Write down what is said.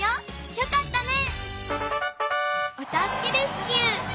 よかったね！